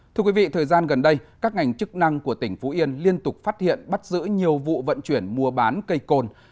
thưa quý vị thời gian gần đây các ngành chức năng của tỉnh phú yên liên tục phát hiện bắt giữ nhiều vụ vận chuyển mua bán cây cồn